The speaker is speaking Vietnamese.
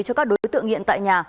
cho các đối tượng nghiện tại nhà